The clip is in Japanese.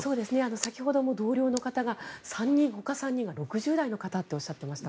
先ほども同僚の方はほか３人の方は６０代の方とおっしゃっていました。